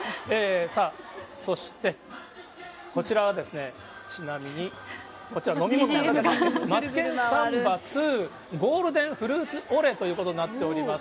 さあ、そして、こちらはちなみにこちら、飲み物なんですけど、マツケンサンバＩＩゴールデンフルーツオレということになっております。